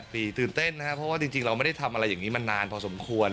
ตื่นเต้นนะครับเพราะว่าจริงเราไม่ได้ทำอะไรอย่างนี้มานานพอสมควร